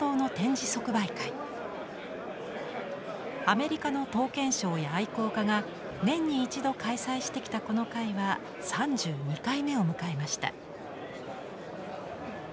アメリカの刀剣商や愛好家が年に一度開催してきたこの会は３２回目を迎えました。